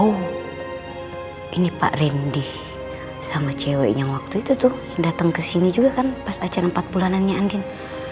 oh ini pak rindi sama ceweknya waktu itu tuh datang ke sini juga kan pas acara empat bulanannya andin